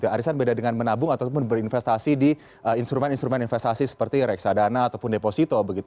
arisan beda dengan menabung ataupun berinvestasi di instrumen instrumen investasi seperti reksadana ataupun deposito